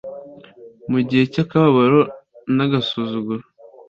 Mu gihe cyakababaro nagasuzuguro